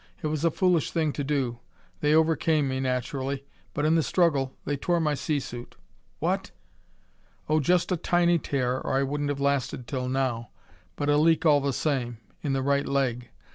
It was a foolish thing to do; they overcame me, naturally. But, in the struggle, they tore my sea suit." "What!" "Oh, just a tiny tear, or I wouldn't have lasted till now. But a leak all the same in the right leg.